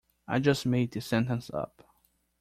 I just made this sentence up.